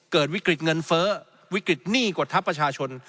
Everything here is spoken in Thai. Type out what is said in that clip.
เกิดวิกฤตเงินเฟ้อวิกฤตหนี้กว่าทัพประชาชน